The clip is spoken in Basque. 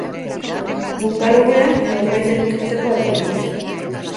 Bungalowean norbait edukitzeko hartu nuen.